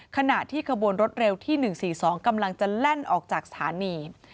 ขณะที่ขบวนรถเร็วที่๑๔๒กำลังจะแล่นออกจากสถานี